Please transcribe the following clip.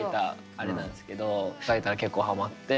あれなんですけど書いたら結構ハマって。